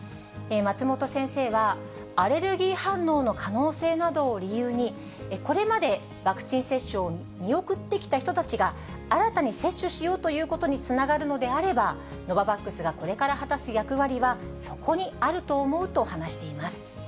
松本先生は、アレルギー反応の可能性などを理由に、これまでワクチン接種を見送ってきた人たちが、新たに接種しようということにつながるのであれば、ノババックスがこれから果たす役割はそこにあると思うと話しています。